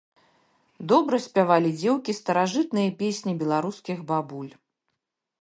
Добра спявалі дзеўкі старажытныя песні беларускіх бабуль.